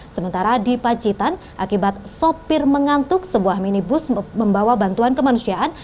sementara di pacitan akibat sopir mengantuk sebuah minibus membawa bantuan kemanusiaan